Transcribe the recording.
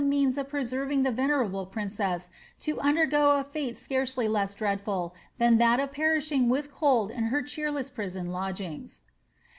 389 the iiMtns of preaerving the venerable priacess to undergo a fate scarcely leM dreadful than that of perishing with cold in her cheerless prison lodgings.